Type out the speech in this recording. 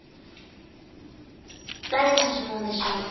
誰の指紋でしょう？